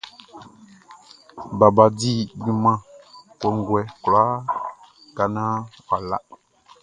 Baba di junman kɔnguɛ kwlaa ka naan wʼa la.